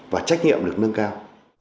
và trách nhiệm được nâng cao